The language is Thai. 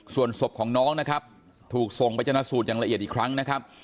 ส่วนศพของน้องนะครับถูกส่งไปชนะสูตรอย่างละเอียดอีกครั้งนะครับ